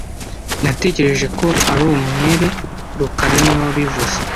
Natekereje ko ari umwere rukara niwe wabivuze